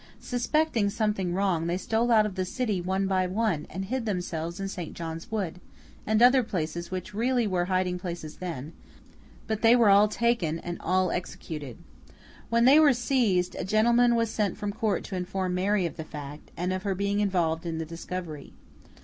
Suspecting something wrong, they stole out of the city, one by one, and hid themselves in St. John's Wood, and other places which really were hiding places then; but they were all taken, and all executed. When they were seized, a gentleman was sent from Court to inform Mary of the fact, and of her being involved in the discovery.